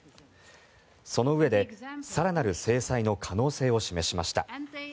そのうえで、更なる制裁の可能性を示しました。